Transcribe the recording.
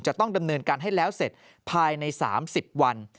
จะต้องดำเนินการให้แล้วเสร็จภายใน๓๐วัน